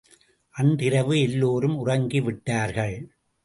அன்றிரவு எல்லோரும் உறங்கி விட்டார்கள்.